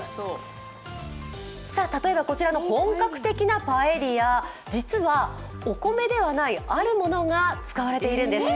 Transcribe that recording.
例えばこちらの本格的なパエリア、実はお米ではないあるものが使われているんです。